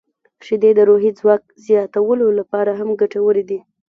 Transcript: • شیدې د روحي ځواک زیاتولو لپاره هم ګټورې دي.